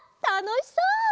たのしそう！